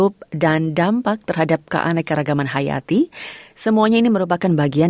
pada sektor energi terbarukan